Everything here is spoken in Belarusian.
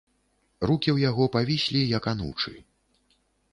Рукі ў яго павіслі, як анучы.